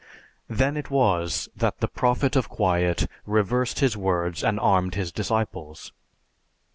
Then it was that the Prophet of quiet reversed his words and armed his disciples.